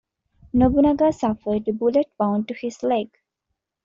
Nobunaga suffered a bullet wound to his leg.